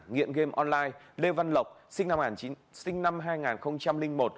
nghiện game online lê văn lộc sinh năm hai nghìn một